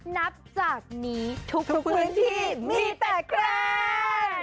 นับจากนี้ทุกพื้นที่มีแต่ใคร